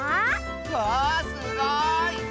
わあすごい！